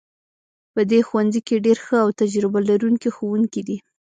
په دې ښوونځي کې ډیر ښه او تجربه لرونکي ښوونکي دي